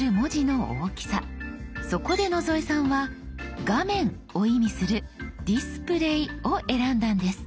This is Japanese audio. そこで野添さんは「画面」を意味する「ディスプレイ」を選んだんです。